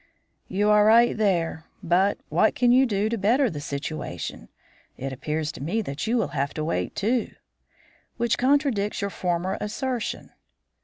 "You are right there, but what can you do to better the situation? It appears to me that you will have to wait too." "Which contradicts your former assertion."